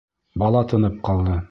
Бала тынып ҡалды.